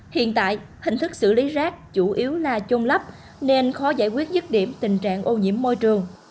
hiện tại hình thức xử lý rác chủ yếu là chôn lấp nên khó giải quyết dứt điểm tình trạng ô nhiễm môi trường